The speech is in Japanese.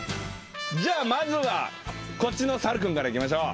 じゃあまずはこっちの猿君からいきましょう。